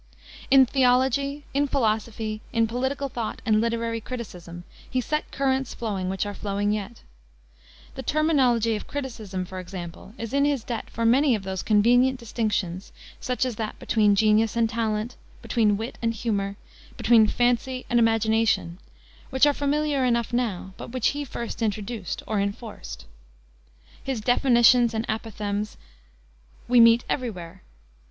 In theology, in philosophy, in political thought, and literary criticism, he set currents flowing which are flowing yet. The terminology of criticism, for example, is in his debt for many of those convenient distinctions such as that between genius and talent, between wit and humor, between fancy and imagination which are familiar enough now, but which he first introduced, or enforced. His definitions and apothegms we meet every where.